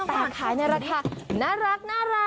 แต่ขายในราคาน่ารัก